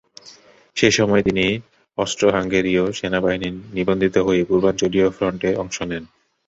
এ সময়ে তিনি অস্ট্রো-হাঙ্গেরীয় সেনাবাহিনীর নিবন্ধিত হয়ে পূর্বাঞ্চলীয় ফ্রন্টে অংশ নেন।